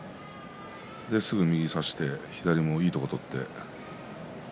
すぐに右を差して左もいいところを取って。